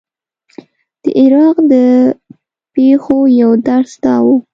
د عراق د پېښو یو درس دا و.